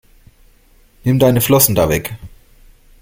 Nimm deine Flossen da weg!